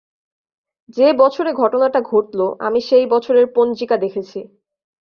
যে-বছরে ঘটনাটা ঘটল, আমি সেই বছরের পঞ্জিকা দেখেছি।